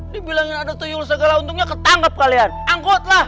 dibilangin ada tuyul segala untungnya ketangkap kalian angkutlah